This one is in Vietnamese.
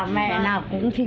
bà mẹ nào cũng xin